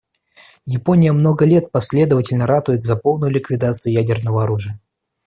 Япония много лет последовательно ратует за полную ликвидацию ядерного оружия.